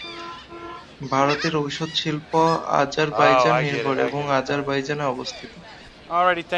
ভারতের ঔষধ শিল্প আজারবাইজান নির্ভর এবং আজারবাইজানে অবস্থিত।